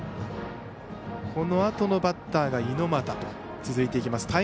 このあとのバッターが猪俣続いていきます。